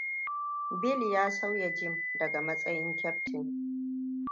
Bill ya sauya Jim daga matsayin kaftin.